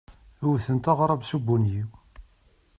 Wtent aɣrab s ubunyiw.